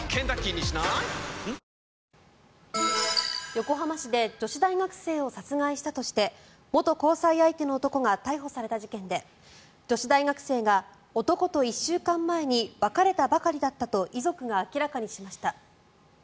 横浜市で女子大学生を殺害したとして元交際相手の男が逮捕された事件で女子大学生が、男と１週間前に別れたばかりだったと遺族が明らかにしました。